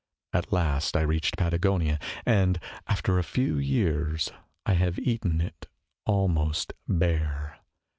At last I reached Patagonia, and after a few years I have eaten it al most bare.